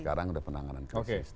sekarang sudah penanganan krisis